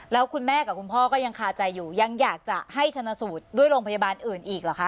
แล้วคุณแม่กับคุณพ่อก็ยังคาใจอยู่ยังอยากจะให้ชนะสูตรด้วยโรงพยาบาลอื่นอีกเหรอคะ